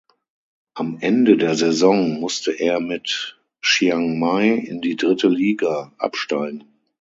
Am Ende der Saison musste er mit Chiangmai in die dritte Liga absteigen.